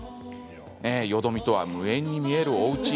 よどみとは無縁に見えるおうち。